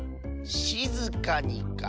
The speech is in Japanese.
しずかにか。